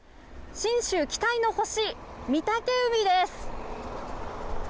信州期待の星、御嶽海です。